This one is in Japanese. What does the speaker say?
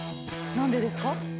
何でですか？